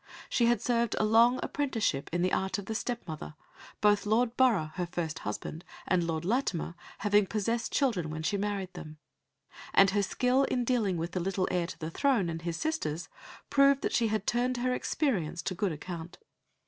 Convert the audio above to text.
She had served a long apprenticeship in the art of the step mother, both Lord Borough, her first husband, and Lord Latimer having possessed children when she married them; and her skill in dealing with the little heir to the throne and his sisters proved that she had turned her experience to good account.